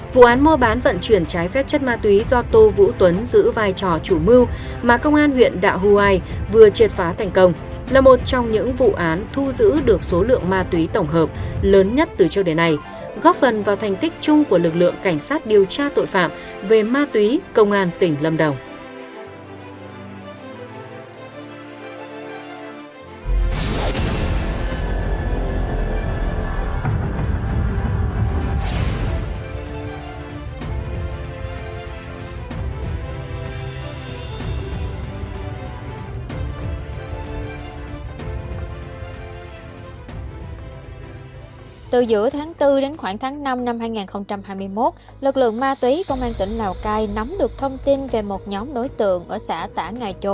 vụ án mua bán vận chuyển trái phép chất ma túy do tô vũ tuấn giữ vai trò chủ mưu mà công an huyện đạo hù ai vừa triệt phá thành công là một trong những vụ án thu giữ được số lượng ma túy tổng hợp lớn nhất từ trước đến nay góp phần vào thành tích chung của lực lượng cảnh sát điều tra tội phạm về ma túy công an tỉnh lâm đồng